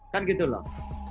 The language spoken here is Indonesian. kan gitu loh